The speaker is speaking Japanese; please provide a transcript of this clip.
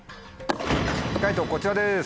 解答こちらです。